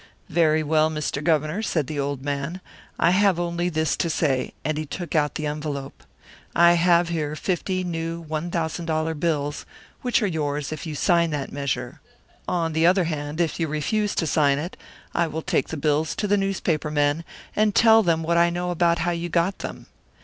'Very well,' Mr. Governor,' said the old man, 'I have only this to say,' and he took out the envelope. 'I have here fifty new one thousand dollar bills, which are yours if you sign that measure. On the other hand, if you refuse to sign it, I will take the bills to the newspaper men, and tell them what I know about how you got them.'